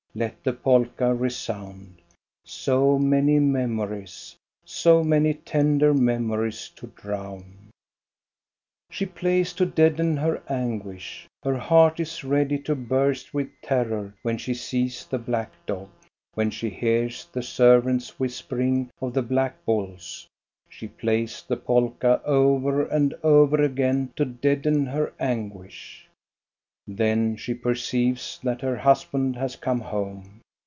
Let the polka resound, — so many memories, so many tender memories to drown ! She plays to deaden her anguish. Her heart is ready to burst with terror when she sees the black dog, when she hears the servants whispering of the black bulls. She plays the polka over and over again to deaden her anguish. Then she perceives that her husband has come home.